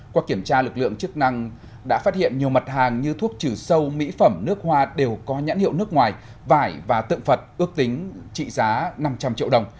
qua kiểm tra lực lượng chức năng đã phát hiện nhiều mặt hàng như thuốc trừ sâu mỹ phẩm nước hoa đều có nhãn hiệu nước ngoài vải và tượng phật ước tính trị giá năm trăm linh triệu đồng